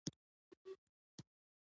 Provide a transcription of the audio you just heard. سپي د غاړې زنځیر ته عادت کېږي.